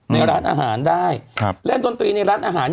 ในร้านอาหารได้เล่นดนตรีในร้านอาหาร